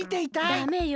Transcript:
ダメよ